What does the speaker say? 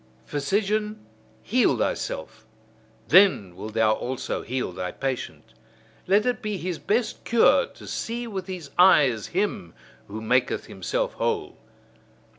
Physician, heal thyself: then wilt thou also heal thy patient. Let it be his best cure to see with his eyes him who maketh himself whole.